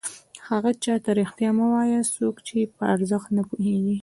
هغه چاته رښتیا مه وایه څوک چې یې په ارزښت نه پوهېږي.